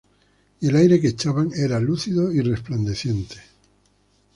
Y el aire que echaban era lúcido y resplandeciente.